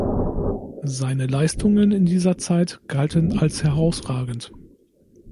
Seine Leistungen in dieser Zeit galten als herausragend.